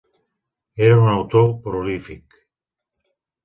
Era un autor prolífic.